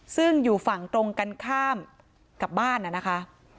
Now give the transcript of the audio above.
ซึ่งอยู่ฝั่งตรงกันข้ามกับบ้านนะคะ